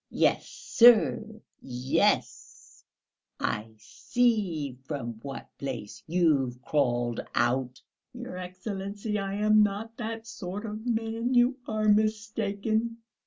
"Yes, sir, yes; I see from what place you've crawled out." "Your Excellency! I am not that sort of man. You are mistaken.